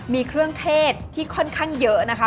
มีเครื่องเทศที่ค่อนข้างเยอะนะคะ